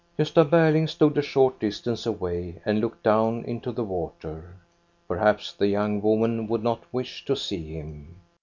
Gosta Berling stood a short distance away and looked down into the water. Perhaps the young woman would not wish to see him.